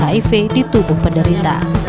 hiv di tubuh penderita